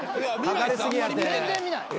全然見ない。